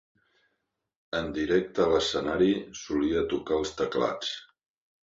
En directe a l'escenari, solia tocar els teclats.